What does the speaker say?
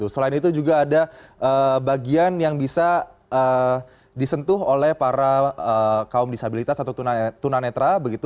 selain itu juga ada bagian yang bisa disentuh oleh para kaum disabilitas atau tunanetra